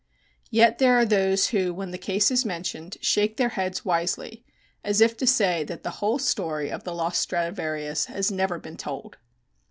Yet, there are those who, when the case is mentioned, shake their heads wisely, as if to say that the whole story of the lost Stradivarius has never been told.